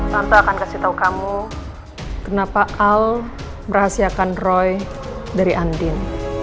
tante akan kasih tau kamu kenapa al berahasiakan roy dari andien